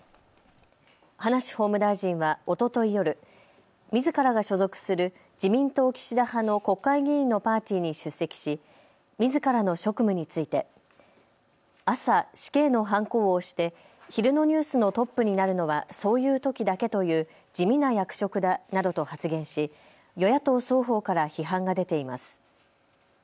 葉梨法務大臣はおととい夜、みずからが所属する自民党岸田派の国会議員のパーティーに出席しみずからの職務について朝、死刑のはんこを押して昼のニュースのトップになるのはそういうときだけという地味な役職だなどと発言し与野党双方から批判が出ています。